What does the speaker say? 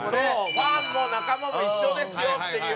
ファンも仲間も一緒ですよっていう。